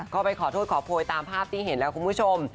ก็ไปขอโทษขอโพยตามภาพที่เห็นแล้วคุณผู้ชม